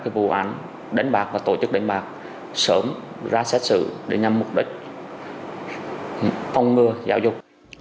vụ án đánh bạc và tổ chức đánh bạc sớm ra xét xử để nhằm mục đích phòng ngừa giáo dục